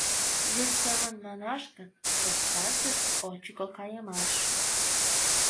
Вес семын манаш гын, пространствыште ончыко кайымаш.